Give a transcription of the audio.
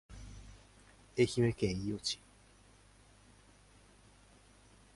愛媛県伊予市